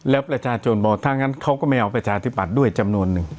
แล้วประชาชนบอกถ้างั้นเขาก็ไม่เอาประชาธิบัติด้วยจำนวนหนึ่ง